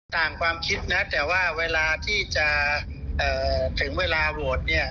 ต่างความคิดนะแต่ว่าเวลาที่จะเวลาโหวต